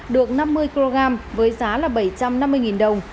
được năm mươi kg với giá là bảy trăm năm mươi đồng